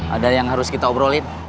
ada yang harus kita obrolin